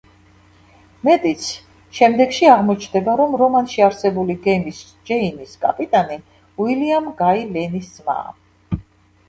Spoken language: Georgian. მეტიც, შემდეგში აღმოჩნდება, რომ რომანში არსებული გემის „ჯეინის“ კაპიტანი უილიამ გაი ლენის ძმაა.